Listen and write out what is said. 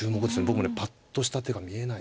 僕ねぱっとした手が見えない。